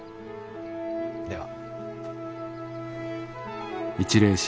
では。